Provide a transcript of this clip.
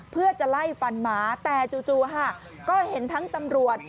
เพื่อจะไล่ฟันหมาแต่จู่ค่ะก็เห็นทั้งตำรวจ